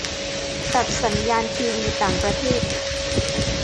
- ตัดสัญญาณทีวีต่างประเทศ